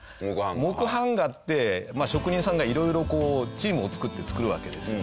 木版画って職人さんが色々チームを作って作るわけですよ。